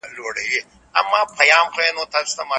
قطري پانګوال د افغانستان په کومو برخو کي پانګونې ته چمتو دي؟